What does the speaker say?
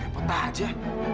kayaknya ribet aja